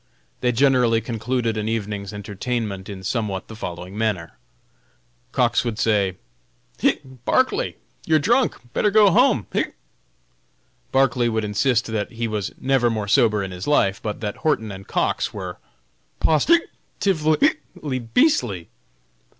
They generally concluded an evening's entertainment in somewhat the following manner: Cox would say, "Hic, Barclay, you'r drunk; better go home, hic." Barclay would insist that he was never more sober in his life, but that Horton and Cox were "pos (hic) tively (hic) beasley."